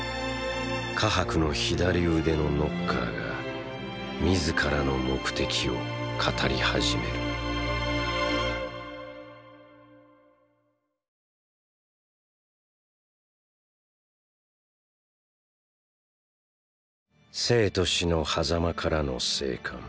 カハクの左腕のノッカーが自らの目的を語り始める生と死の狭間からの生還。